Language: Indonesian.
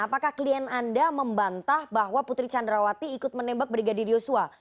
apakah klien anda membantah bahwa putri candrawati ikut menembak brigadir yosua